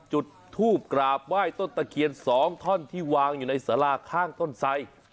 จุดทูบกราบไหว้ต้นตะเคียน๒ท่อนที่วางอยู่ในสาราข้างต้นไส